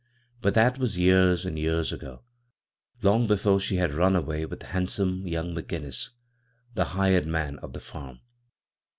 But that was years and years ago — long before she had run away with handsome young Mc Ginnis, the " hired man " of the farm.